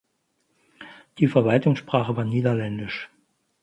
Die Verwaltungssprache war Niederländisch.